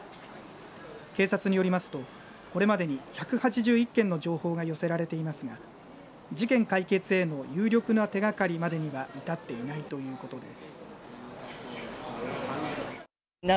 警察によりますとこれまでに１８１件の情報が寄せられていますが事件解決への有力な手がかりまでには至っていないということです。